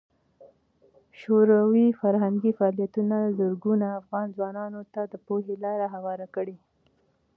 شوروي فرهنګي فعالیتونه زرګونو افغان ځوانانو ته د پوهې لار هواره کړه.